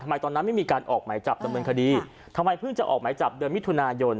ตอนนั้นไม่มีการออกหมายจับดำเนินคดีทำไมเพิ่งจะออกหมายจับเดือนมิถุนายน